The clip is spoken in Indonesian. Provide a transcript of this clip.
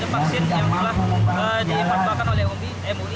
sesuai dengan padwa emumi